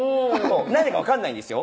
なんでか分かんないんですよ